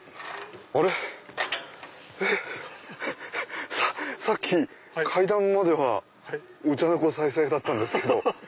あれ⁉さっき階段まではお茶の子さいさいだったけど。